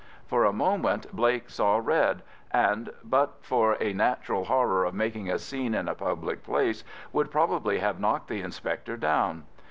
For a moment Blake saw red, and but for a natural horror of making a scene in a public place, would probably have knocked the inspector down.